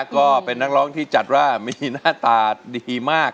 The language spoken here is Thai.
ก็เป็นนักร้องที่จัดว่ามีหน้าตาดีมาก